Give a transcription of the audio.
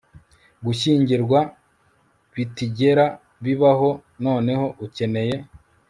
gushyingirwa bitigera bibaho noneho ukeneye